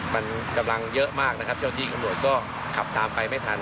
มันกำลังเยอะมากนะครับเจ้าที่ตำรวจก็ขับตามไปไม่ทัน